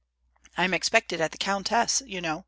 am expected at the countess', you know.